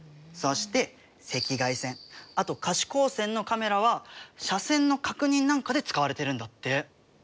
そして赤外線あと可視光線のカメラは車線の確認なんかで使われてるんだって。